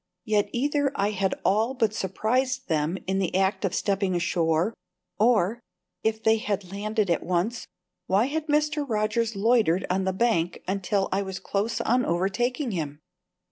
Yet either I had all but surprised them in the act of stepping ashore, or, if they had landed at once, why had Mr. Rogers loitered on the bank until I was close on overtaking him?